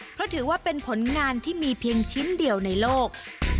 เพราะถือว่าเป็นผลงานที่มีเพียงชิ้นเดียวในโลก